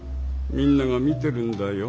みんなが見てるんだよ。